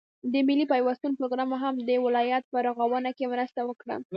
د ملي پيوستون پروگرام هم د ولايت په رغاونه كې مرسته وكړه،